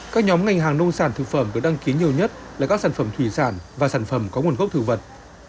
các nhóm ngành hàng nông sản thực phẩm được đăng ký nhiều nhất là các sản phẩm thủy sản và sản phẩm có nguồn gốc thực vật